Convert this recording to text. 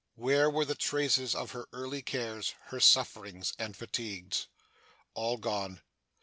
Where were the traces of her early cares, her sufferings, and fatigues? All gone.